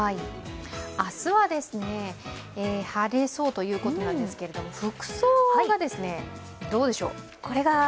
明日は晴れそうということですが服装が、どうでしょう？